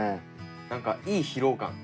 なんかいい疲労感。